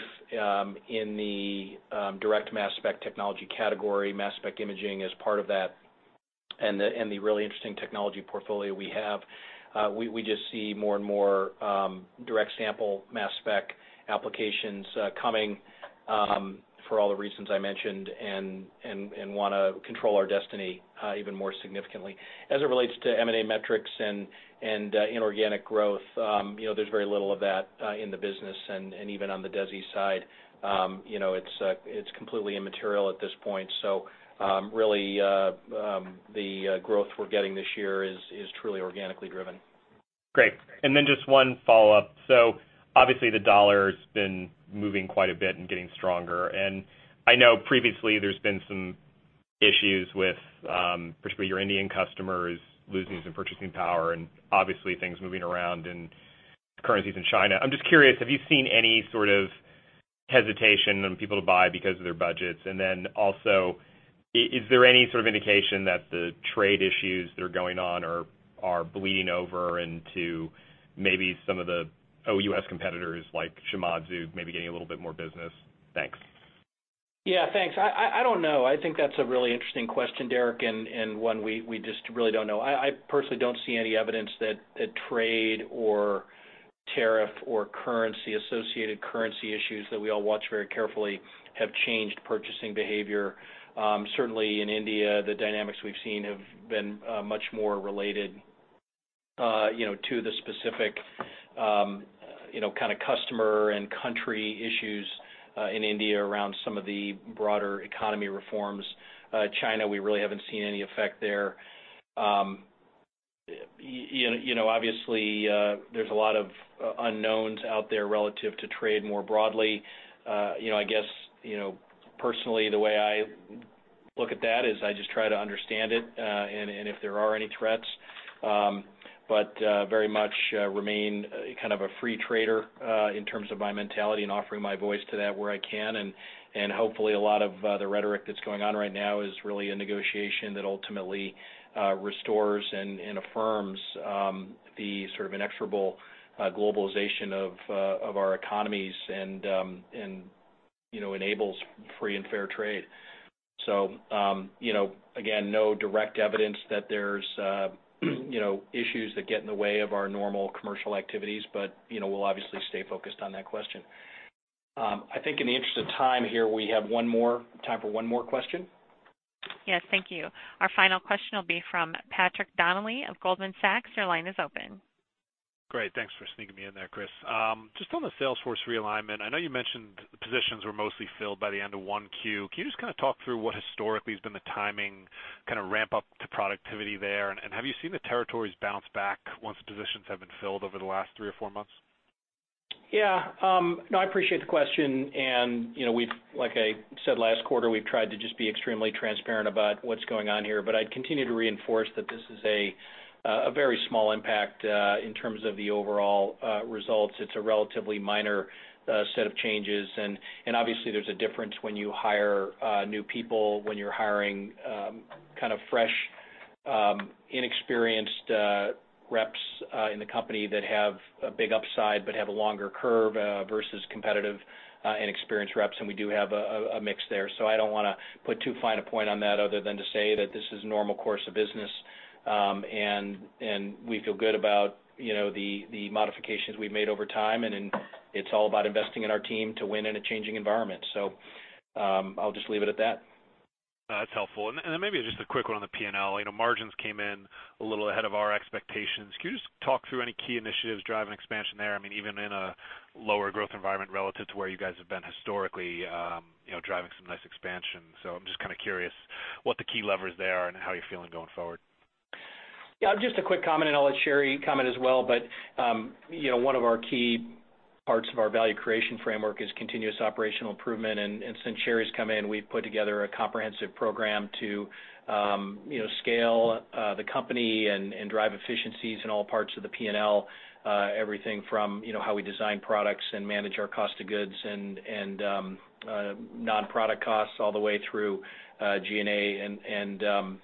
in the direct mass spec technology category, mass spec imaging as part of that, and the really interesting technology portfolio we have. We just see more and more direct sample mass spec applications coming for all the reasons I mentioned and want to control our destiny even more significantly. As it relates to M&A metrics and inorganic growth, there's very little of that in the business. Even on the DESI side, it's completely immaterial at this point. Really, the growth we're getting this year is truly organically driven. Great. Just one follow-up. Obviously, the dollar has been moving quite a bit and getting stronger. I know previously there's been some issues with particularly your Indian customers losing some purchasing power and obviously things moving around in currencies in China. I'm just curious, have you seen any sort of hesitation on people to buy because of their budgets? Is there any sort of indication that the trade issues that are going on are bleeding over into maybe some of the U.S. competitors like Shimadzu maybe getting a little bit more business? Thanks. Yeah. Thanks. I don't know. I think that's a really interesting question, Derek, and one we just really don't know. I personally don't see any evidence that trade or tariff or currency-associated currency issues that we all watch very carefully have changed purchasing behavior. Certainly, in India, the dynamics we've seen have been much more related to the specific kind of customer and country issues in India around some of the broader economy reforms. China, we really haven't seen any effect there. Obviously, there's a lot of unknowns out there relative to trade more broadly. I guess personally, the way I look at that is I just try to understand it and if there are any threats, but very much remain kind of a free trader in terms of my mentality and offering my voice to that where I can. Hopefully, a lot of the rhetoric that's going on right now is really a negotiation that ultimately restores and affirms the sort of inexorable globalization of our economies and enables free and fair trade. So again, no direct evidence that there's issues that get in the way of our normal commercial activities, but we'll obviously stay focused on that question. I think in the interest of time here, we have time for one more question. Yes. Thank you. Our final question will be from Patrick Donnelly of Goldman Sachs. Your line is open. Great. Thanks for sneaking me in there, Chris. Just on the sales force realignment, I know you mentioned positions were mostly filled by the end of Q1. Can you just kind of talk through what historically has been the timing kind of ramp-up to productivity there? Have you seen the territories bounce back once the positions have been filled over the last three or four months? Yeah. No, I appreciate the question. And like I said, last quarter, we've tried to just be extremely transparent about what's going on here. But I'd continue to reinforce that this is a very small impact in terms of the overall results. It's a relatively minor set of changes. And obviously, there's a difference when you hire new people, when you're hiring kind of fresh, inexperienced reps in the company that have a big upside but have a longer curve versus competitive and experienced reps. And we do have a mix there. So I don't want to put too fine a point on that other than to say that this is a normal course of business, and we feel good about the modifications we've made over time. It's all about investing in our team to win in a changing environment. I'll just leave it at that. That's helpful. Then maybe just a quick one on the P&L. Margins came in a little ahead of our expectations. Can you just talk through any key initiatives driving expansion there? I mean, even in a lower growth environment relative to where you guys have been historically driving some nice expansion. I'm just kind of curious what the key levers there are and how you're feeling going forward. Yeah. Just a quick comment, and I'll let Sherry comment as well. One of our key parts of our value creation framework is continuous operational improvement. And since Sherry's come in, we've put together a comprehensive program to scale the company and drive efficiencies in all parts of the P&L, everything from how we design products and manage our cost of goods and nonproduct costs all the way through G&A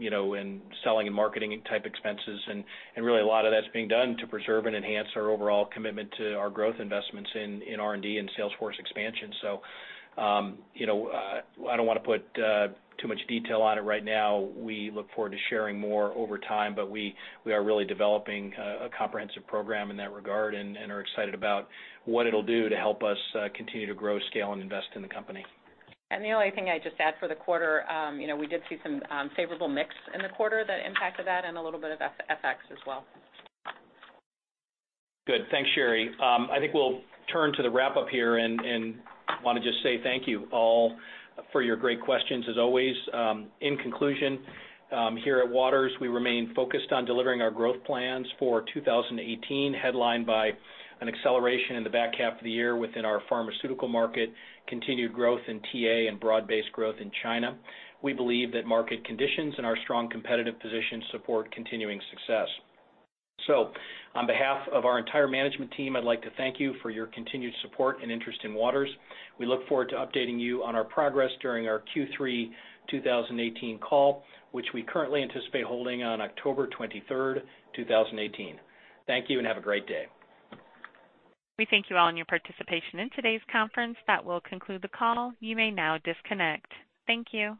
and selling and marketing type expenses. And really, a lot of that's being done to preserve and enhance our overall commitment to our growth investments in R&D and sales force expansion. So I don't want to put too much detail on it right now. We look forward to sharing more over time, but we are really developing a comprehensive program in that regard and are excited about what it'll do to help us continue to grow, scale, and invest in the company. And the only thing I'd just add for the quarter, we did see some favorable mix in the quarter that impacted that and a little bit of FX as well. Good. Thanks, Sherry. I think we'll turn to the wrap-up here and want to just say thank you all for your great questions as always. In conclusion, here at Waters, we remain focused on delivering our growth plans for 2018, headlined by an acceleration in the back half of the year within our pharmaceutical market, continued growth in TA, and broad-based growth in China. We believe that market conditions and our strong competitive position support continuing success. So on behalf of our entire management team, I'd like to thank you for your continued support and interest in Waters. We look forward to updating you on our progress during our Q3 2018 call, which we currently anticipate holding on October 23rd, 2018. Thank you and have a great day. We thank you all on your participation in today's conference. That will conclude the call. You may now disconnect. Thank you.